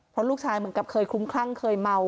เพราะลูกชายเหมือนกับเคยคลุ้มคลั่งเคยเมา